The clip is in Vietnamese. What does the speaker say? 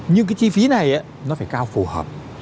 nhưng cái chi phí này nó phải cao phù hợp